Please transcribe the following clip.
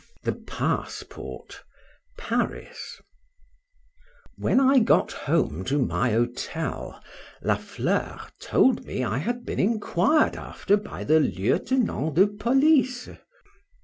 THE PASSPORT. PARIS. WHEN I got home to my hotel, La Fleur told me I had been enquired after by the Lieutenant de Police.